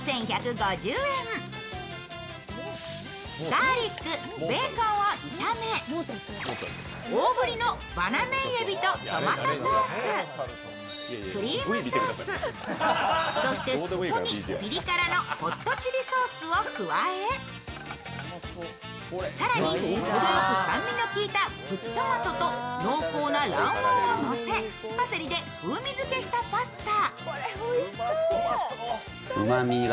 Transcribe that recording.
ガーリック、ベーコンを炒め大ぶりのバナメイエビとトマトソース、クリームソース、そして、そこにピリ辛のホットチリソースを加え、更に、程よく酸味の効いたプチトマトと濃厚な卵黄をのせ、パセリで風味付けしたパスタ。